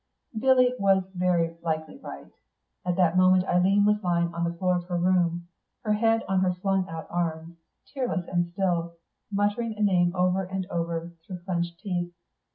Billy was very likely right. At that moment Eileen was lying on the floor of her room, her head on her flung out arms, tearless and still, muttering a name over and over, through clenched teeth.